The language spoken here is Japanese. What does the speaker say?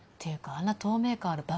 あんな透明感ある爆